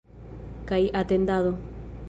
Kaj atendado.